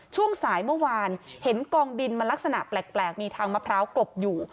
ช่วงสายเมื่อวานเห็นกองดินมันลักษณะแปลกมีทางมะพร้าวกลบอยู่